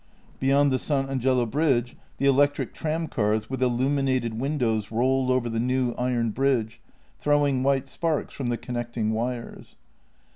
Beyond the San Angelo bridge the electric tramcars with illuminated windows rolled over the new iron bridge, throwing white sparks from the connecting wires.